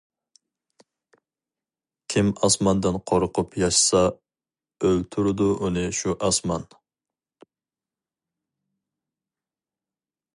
كىم ئاسماندىن قورقۇپ ياشىسا ئۆلتۈرىدۇ ئۇنى شۇ ئاسمان.